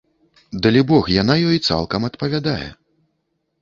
Далібог, яна ёй цалкам адпавядае.